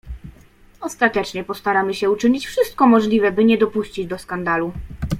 "Ostatecznie postaramy się uczynić wszystko możliwe, by nie dopuścić do skandalu."